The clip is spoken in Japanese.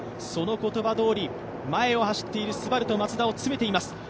その言葉どおり、前を走っているＳＵＢＡＲＵとマツダを詰めています。